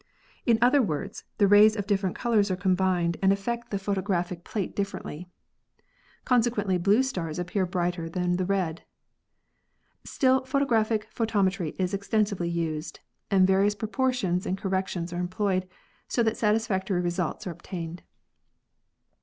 In other words, the rays of different colors are combined and affect the MOTIONS OF THE STARS 277 photographic plate differently. Consequently blue stars appear brighter than the red. Still photographic pho tometry is extensively used and various proportions and corrections are employed so that satisfactory results are obtained.